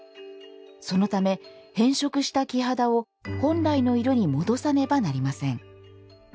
そのため、変色した木肌を本来の色に戻さねばなりません。